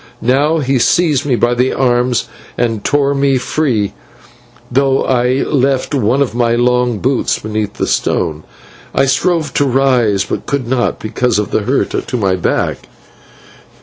Now he seized me by the arms and tore me free, though I left one of my long boots beneath the stone. I strove to rise, but could not because of the hurt to my back.